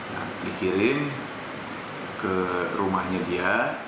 nah dikirim ke rumahnya dia